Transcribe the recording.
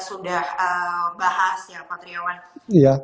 sudah bahas ya pak triawan